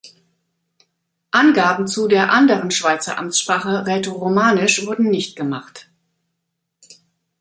Angaben zu der anderen Schweizer Amtssprache Rätoromanisch wurden nicht gemacht.